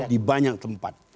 di banyak tempat